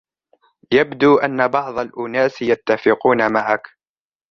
يبدو أن بعض الأناس يتفقون معك.